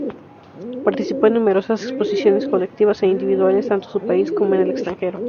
Participó en numerosas exposiciones, colectivas e individuales, tanto su país como en el extranjero.